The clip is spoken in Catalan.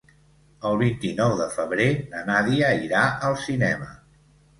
El vint-i-nou de febrer na Nàdia irà al cinema.